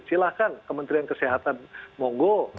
silahkan kementerian kesehatan monggo